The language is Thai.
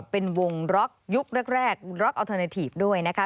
เป็นวงล็อกยุคแรกล็อกอัลเทอร์เนทีฟด้วยนะคะ